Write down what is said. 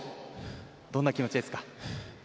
どんな気持ちですか？